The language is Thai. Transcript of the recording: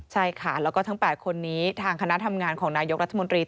ใช่ค่ะแล้วก็ทั้ง๘คนนี้ทางคณะทำงานของนายกรัฐมนตรี